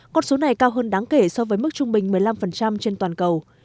con số này cao hơn đáng kể so với mức trung bình một mươi năm trên toàn cầu